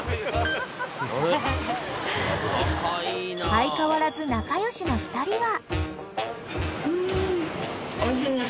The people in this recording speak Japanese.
［相変わらず仲良しな２人は］